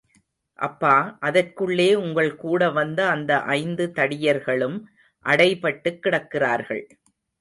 அப்பா, அதற்குள்ளே உங்கள் கூடவந்த அந்த ஐந்து தடியர்களும் அடைபட்டுக் கிடக்கிறார்கள்.